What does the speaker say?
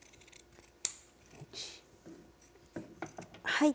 はい。